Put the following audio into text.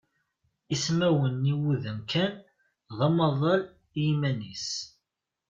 Ismawen n yiwudam kan d amaḍal i yiman-is.